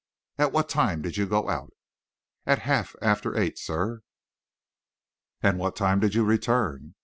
"At what time did you go out?" "At half after the eight, sir." "And what time did you return?"